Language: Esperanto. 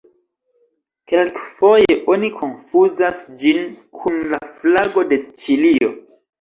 Kelkfoje oni konfuzas ĝin kun la flago de Ĉilio.